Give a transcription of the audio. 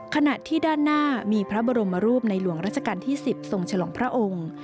ขณะที่ด้านหน้ามีพระบรมรูปในหลวงราชการที่๑๐ทรงฉลองพระองค์